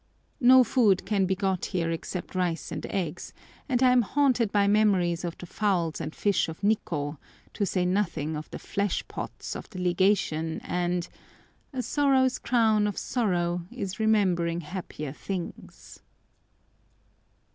No food can be got here except rice and eggs, and I am haunted by memories of the fowls and fish of Nikkô, to say nothing of the "flesh pots" of the Legation, and "—a sorrow's crown of sorrow Is remembering happier things!"